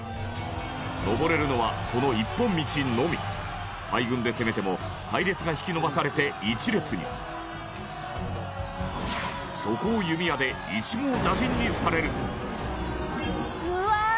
登れるのは、この一本道のみ大軍で攻めても隊列が引き伸ばされて１列にそこを弓矢で一網打尽にされるうわー！